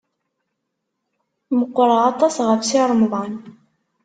Meqqreɣ aṭas ɣef Si Remḍan.